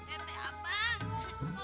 eh teha bang